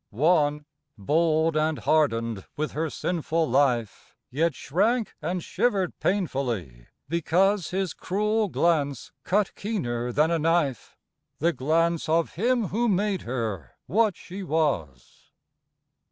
One, bold and hardened with her sinful life, Yet shrank and shivered painfully, because His cruel glance cut keener than a knife, The glance of him who made her what she was.